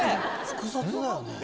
複雑だよね。